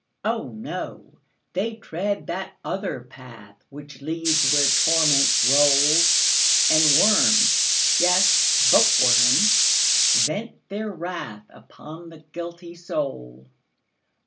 "Oh, no! they tread that other path, Which leads where torments roll, And worms, yes, bookworms, vent their wrathUpon the guilty soul.